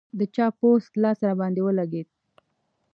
د چا پوست لاس راباندې ولګېد.